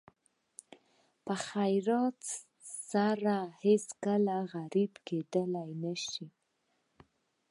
په خیرات سره هېڅکله غریب کېدلی نه شئ.